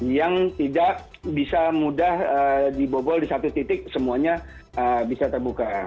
yang tidak bisa mudah dibobol di satu titik semuanya bisa terbuka